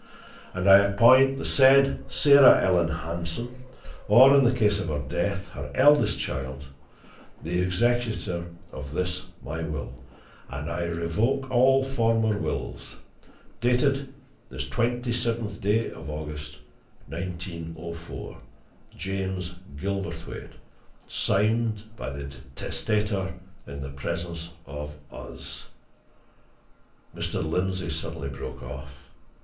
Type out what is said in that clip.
And I appoint the said Sarah Ellen Hanson, or in the case of her death, her eldest child, the executor of this my will; and I revoke all former wills. Dated this twenty seventh day of August, 1904. James Gilverthwaite. Signed by the testator in the presence of us " Mr. Lindsey suddenly broke off.